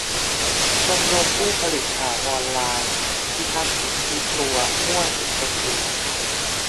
ชมรมผู้ผลิตข่าวออนไลน์ : พิทักษ์สิทธิตัว มั่วสิทธิคนอื่น ?